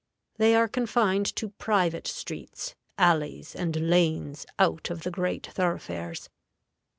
They are confined to private streets, alleys, and lanes out of the great thoroughfares.